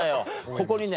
ここにね